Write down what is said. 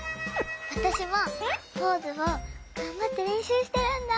わたしもポーズをがんばってれんしゅうしてるんだ。